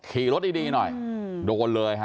ขี่รถดีหน่อยโดนเลยฮะ